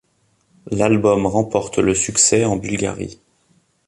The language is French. L'album remporte le succès en Bulgarie.